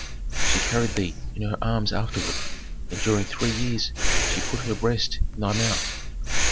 She carried thee in her arms afterward, and during three years she put her breast into thy mouth.